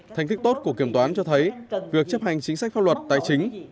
thành tích tốt của kiểm toán cho thấy việc chấp hành chính sách pháp luật tài chính